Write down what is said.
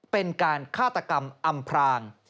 เป็นการฆาตกรรมอำพราง